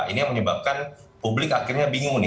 ini yang menyebabkan publik akhirnya bingung nih